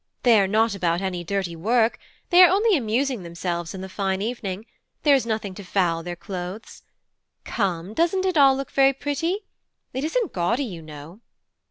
They are not about any dirty work; they are only amusing themselves in the fine evening; there is nothing to foul their clothes. Come, doesn't it all look very pretty? It isn't gaudy, you know."